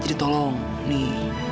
jadi tolong nih